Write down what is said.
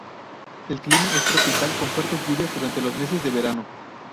El clima es tropical con fuertes lluvias durante los meses de verano.